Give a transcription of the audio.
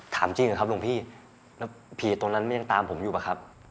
ถามจริงนะครับดวงพี่แล้วผีตรงนั้นยังตามผมอยู่เหรอครับ